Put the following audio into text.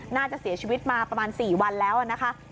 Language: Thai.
น่าจะเสียชีวิตมาประมาณ๔วันแล้วนะคะ